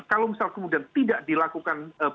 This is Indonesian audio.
kalau misal kemudian tidak dilakukan